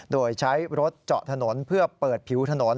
โดยใช้รถเจาะถนนเพื่อเปิดผิวถนน